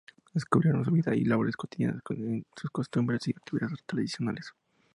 Descubrirán su vida y labores cotidianas, sus costumbres y actividades tradicionales.